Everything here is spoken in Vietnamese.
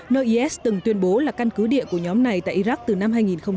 nơi is từng tuyên bố là căn cứ địa của nhóm này tại iraq từ năm hai nghìn một mươi